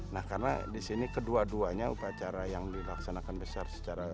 nah karena di sini kedua duanya upacara yang dilaksanakan besar secara